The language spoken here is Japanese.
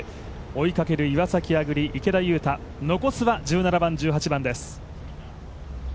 追いかける岩崎亜久竜、池田勇太、残すは１７番、１８番です。